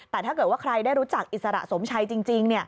แต่ถ้าเกิดว่าใครได้รู้จักอิสระสมชัยจริง